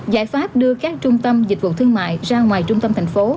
giải pháp đưa các trung tâm dịch vụ thương mại ra ngoài trung tâm thành phố